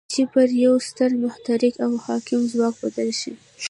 چې پر يوه ستر متحرک او حاکم ځواک بدل شي.